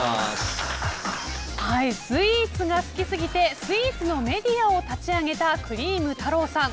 スイーツが好きすぎてスイーツのメディアを立ち上げたクリーム太朗さん。